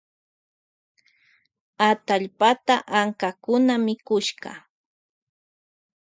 Ankakuna mikushka atallpata.